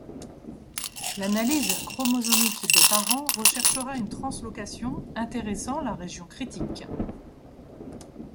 L’analyse chromosomique des parents recherchera une translocation intéressant la région critique.